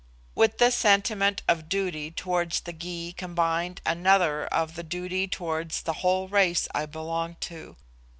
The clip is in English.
With this sentiment of duty towards the Gy combined another of duty towards the whole race I belonged to.